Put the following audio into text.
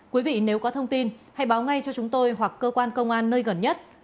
quý vị nếu có thông tin hãy báo ngay cho chúng tôi hoặc cơ quan công an nơi gần nhất